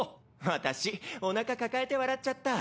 私おなか抱えて笑っちゃった。